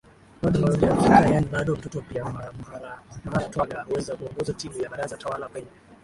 bado haujafika yaani bado mtotoPia Muharatwaga huweza kuongoza timu ya baraza tawala kwenye